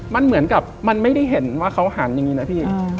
มันเหมือนกับมันไม่ได้เห็นว่าเขาหันอย่างนี้นะพี่